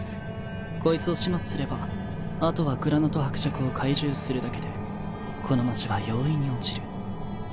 こいつを始末すれば後はグラナト伯爵を懐柔するだけでこの街は容易に落ちる